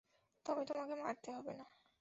তবে তোমাকে মারতে হবে না।